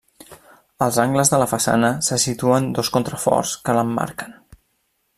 Als angles de la façana se situen dos contraforts que l'emmarquen.